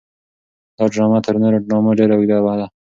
دا ډرامه تر نورو ډرامو ډېره اوږده وه.